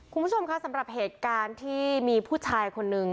คุณผู้ชมคะสำหรับเหตุการณ์ที่มีผู้ชายคนนึง